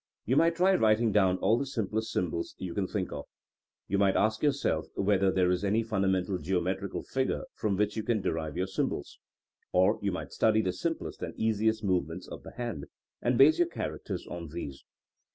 You might try writing down all the simplest symbols you can think of. Or you might ask yourself whether there is any fundamental geometrical figure from which you can derive your symbols. Or you might study the simplest and easiest movements of the hand, and base your characters on these.